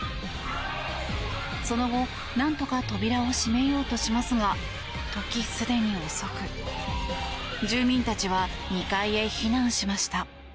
その後何とか扉を閉めようとしますが時すでに遅く、住民たちは２階へ避難しました。